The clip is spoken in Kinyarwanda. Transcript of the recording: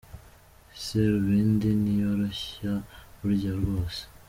Serubindi ntiyoroshya burya bwose.